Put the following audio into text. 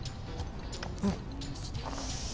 うん。